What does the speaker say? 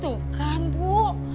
tuh kan bu